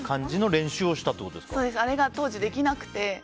ってあれが当時できなくて。